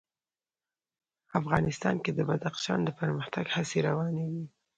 افغانستان کې د بدخشان د پرمختګ هڅې روانې دي.